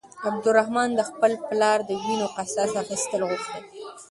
عبدالرحمن د خپل پلار د وينو قصاص اخيستل غوښتل.